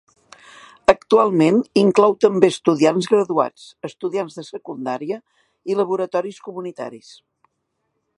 Actualment inclou també estudiants graduats, estudiants de secundària i laboratoris comunitaris.